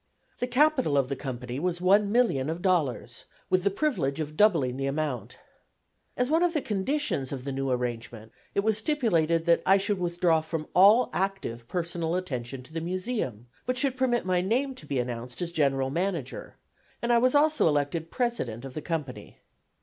The capital of the company was one million of dollars, with the privilege of doubling the amount. As one of the conditions of the new arrangement, it was stipulated that I should withdraw from all active personal attention to the Museum, but should permit my name to be announced as General Manager, and I was also elected President of the company.